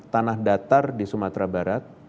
tanah datar di sumatera barat